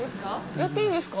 やっていいんですか？